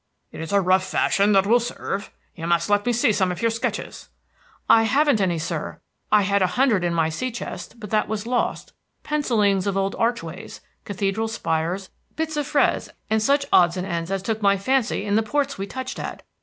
"It is a rough fashion that will serve. You must let me see some of your sketches." "I haven't any, sir. I had a hundred in my sea chest, but that was lost, pencillings of old archways, cathedral spires, bits of frieze, and such odds and ends as took my fancy in the ports we touched at.